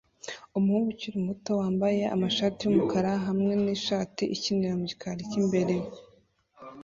Umuhungu ukiri muto wambaye amashati yumukara hamwe n-ishati ikinira mu gikari cyimbere